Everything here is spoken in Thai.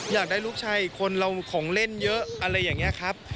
อยากได้ลูกชายอีกคนเราของเล่นเยอะอะไรอย่างนี้ครับ